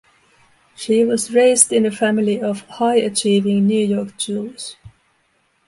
She was raised in a family of "high-achieving New York Jews".